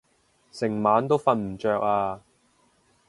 成晚都瞓唔著啊